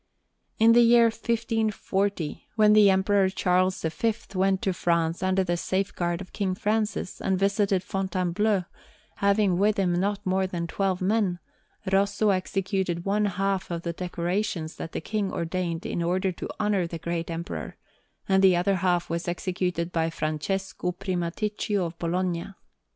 In the year 1540, when the Emperor Charles V went to France under the safeguard of King Francis, and visited Fontainebleau, having with him not more than twelve men, Rosso executed one half of the decorations that the King ordained in order to honour that great Emperor, and the other half was executed by Francesco Primaticcio of Bologna.